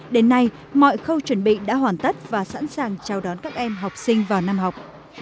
đến nay mọi khâu chuẩn bị đã hoàn tất và sẵn sàng chào đón các em học sinh vào năm học